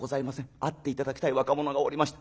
会って頂きたい若者がおりまして。